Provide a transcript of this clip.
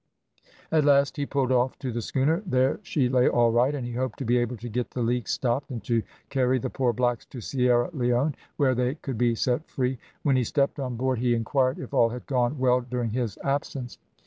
At last he pulled off to the schooner; there she lay all right, and he hoped to be able to get the leaks stopped, and to carry the poor blacks to Sierra Leone, where they could be set free. When he stepped on board, he inquired if all had gone well during his absence.